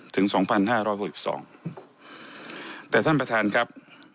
ถึงสองพันห้าร้อยหกสิบสองแต่ท่านประธานครับ